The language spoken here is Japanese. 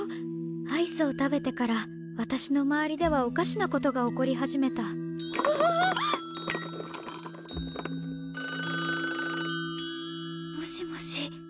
アイスを食べてから私の周りではおかしなことが起こり始めたうわあ！もしもし？